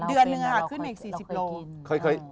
เดือนหนึ่งขึ้นมาอีก๔๐กิโลกรัม